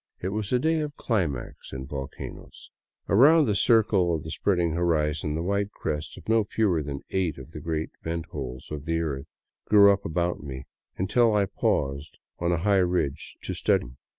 It was a day of climax in volcanoes. Around the circle of the spreading horizon the white crests of no fewer than eight of the great vent holes of the earth grew up about me, until I paused on a high ridge to study them.